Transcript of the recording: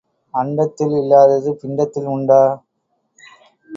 அண்டத்தில் இல்லாதது பிண்டத்தில் உண்டா?